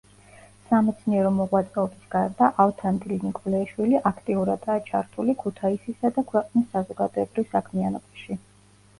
სამეცნიერო მოღვაწეობის გარდა, ავთანდილ ნიკოლეიშვილი აქტიურადაა ჩართული ქუთაისისა და ქვეყნის საზოგადოებრივ საქმიანობაში.